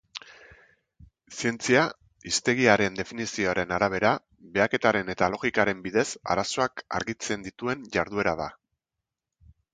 Zientzia, hiztegiaren definizioaren arabera, behaketaren eta logikaren bidez arazoak argitzen dituen jarduera da.